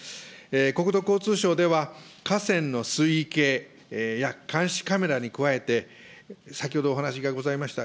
国土交通省では、河川の水位計や監視カメラに加えて、先ほどお話がございました